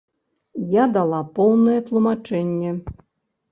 Я дала поўнае тлумачэнне.